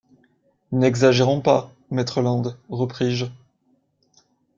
N’exagérons pas, maître Land, repris-je.